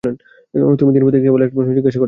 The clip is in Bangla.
তুমি দিনপ্রতি কেবল একটা প্রশ্নই জিজ্ঞাসা করতে পারবে।